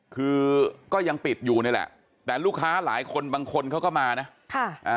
คือก็ยังปิดอยู่นี่แหละแต่ลูกค้าหลายคนบางคนเขาก็มานะค่ะอ่า